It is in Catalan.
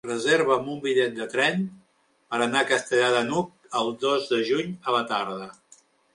Reserva'm un bitllet de tren per anar a Castellar de n'Hug el dos de juny a la tarda.